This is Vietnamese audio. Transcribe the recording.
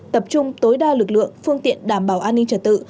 tập trung tối đa lực lượng phương tiện đảm bảo an ninh trật tự